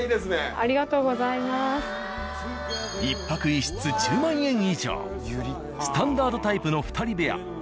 １泊１室１０万円以上スタンダードタイプの２人部屋。